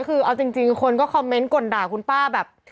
คือเอาจริงคนก็คอมเมนต์ก่นด่าคุณป้าแบบ